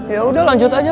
ya udah lanjut aja